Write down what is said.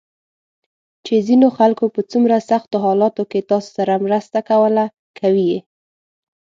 چې ځینو خلکو په څومره سختو حالاتو کې تاسو سره مینه کوله، کوي یې ~